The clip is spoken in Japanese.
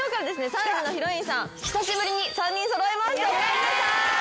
３時のヒロインさん久しぶりに３人揃いましたおかえりなさい！